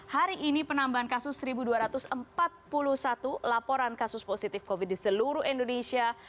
hari ini penambahan kasus satu dua ratus empat puluh satu laporan kasus positif covid di seluruh indonesia